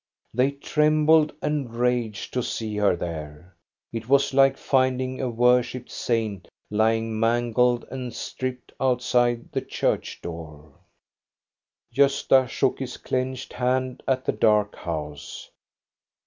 They trembled and raged to see her there. It was like finding a worshipped saint lying mangled and stripped outside the church door. Gosta shook his clenched hand at the dark house.